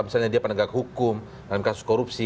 misalnya dia penegak hukum dalam kasus korupsi